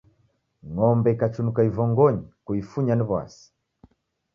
Ng'ombe ikachunuka ivongoyi, kuifunya ni w'asi.